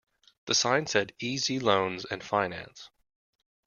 The sign said E Z Loans and Finance.